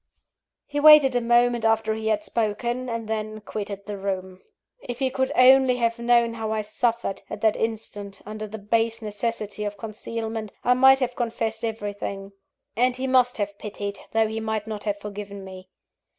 He waited a moment after he had spoken, and then quitted the room. If he could only have known how I suffered, at that instant, under the base necessities of concealment, I might have confessed everything; and he must have pitied, though he might not have forgiven me.